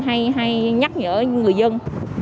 hay nhắc nhở người dân